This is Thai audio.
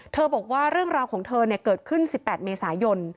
เธอบอกว่าเรื่องราวของเธอเนี้ยเกิดขึ้นสิบแปดเมษายน